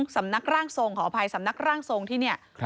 สำนักร่างสงฆ์ขออภัยสำนักร่างสงฆ์ที่เนี่ย